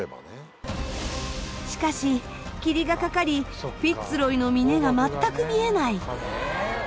しかし霧がかかりフィッツ・ロイの峰が全く見えない。